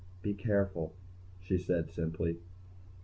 "Be careful," she said simply.